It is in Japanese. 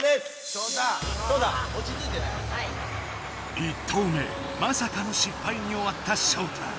１投目まさかの失敗に終わったショウタ。